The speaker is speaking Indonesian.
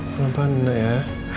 pelan pelan mbak ya